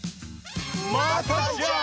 またじゃん！